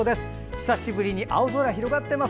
久しぶりに青空広がっています。